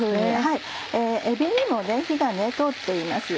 えびにも火が通っていますよ